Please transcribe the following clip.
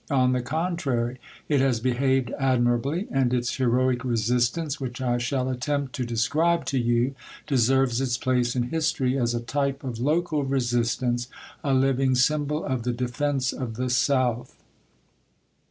On the contrary, it has behaved admirably, and its 70 Monday Tales, heroic resistance, which I shall attempt to describe to you, deserves its place in history as a type of local resistance, a Hving symbol of the defence of the South!